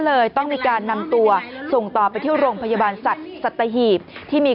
เลยต้องมีการนำตัวส่งต่อไปที่โรงพยาบาลสัตว์สัตหีบที่มี